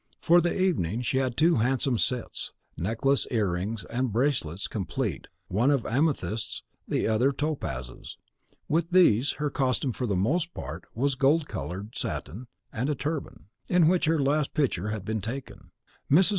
For the evening she had two handsome sets, necklace, earrings, and bracelets complete, one of amethysts, the other topazes. With these, her costume for the most part was a gold coloured satin and a turban, in which last her picture had been taken. Mrs.